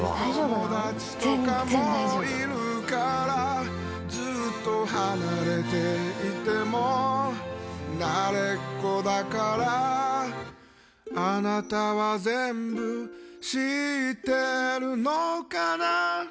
友達とかもいるからずっと離れていても慣れっこだからあなたは全部知ってるのかな